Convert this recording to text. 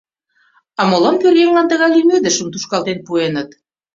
А молан пӧръеҥлан тыгай лӱмедышым тушкалтен пуэныт?